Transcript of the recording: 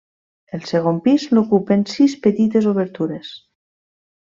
El segon pis l'ocupen sis petites obertures.